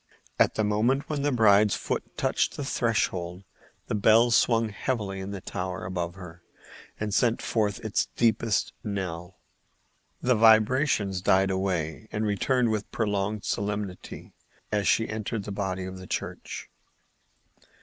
At the moment when the bride's foot touched the threshold the bell swung heavily in the tower above her and sent forth its deepest knell. The vibrations died away, and returned with prolonged solemnity as she entered the body of the church.